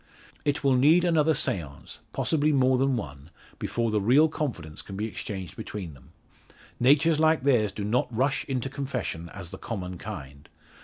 It will need another seance possibly more than one before the real confidence can be exchanged between them. Natures like theirs do not rush into confession as the common kind.